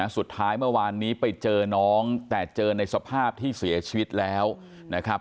สุดท้ายเมื่อวานนี้ไปเจอน้องแต่เจอในสภาพที่เสียชีวิตแล้วนะครับ